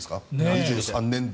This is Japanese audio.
２３年度。